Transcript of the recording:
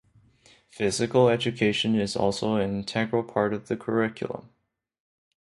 Physical education is also an integral part of the curriculum.